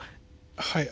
はい。